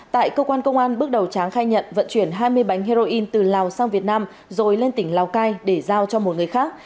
tại cơ quan công an bước đầu tráng khai nhận vận chuyển hai mươi bánh heroin từ lào sang việt nam rồi lên tỉnh lào cai để giao cho một người khác